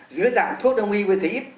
dưới dạng thuốc đông y quên thấy ít